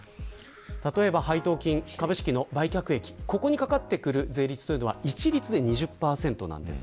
例えば、配当金株式の売却益などにかかってくる税率は、一律で２０％なんです。